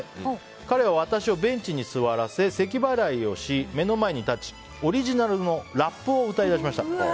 彼は私をベンチに座らせせき払いをし、目の前に立ちオリジナルのラップを歌いだしました。